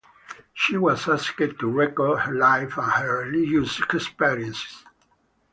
She was asked to record her life and her religious experiences.